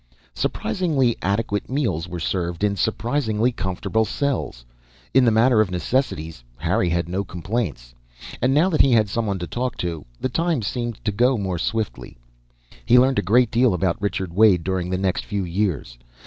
Surprisingly adequate meals were served in surprisingly comfortable cells. In the matter of necessities, Harry had no complaints. And now that he had someone to talk to, the time seemed to go more swiftly. He learned a great deal about Richard Wade during the next few years.